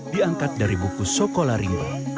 diangkat dari buku sokolarim